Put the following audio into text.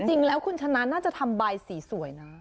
จริงแล้วคุณชนะน่าจะทำใบสีสวยนะ